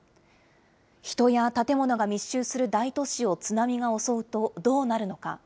人や建物が密集する大都市を津波が襲うとどうなるのか。